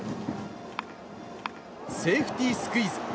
セーフティースクイズ。